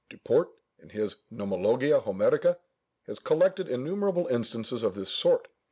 Duport, in his Gnomologia Homerica, has collected innumerable instances of this sort.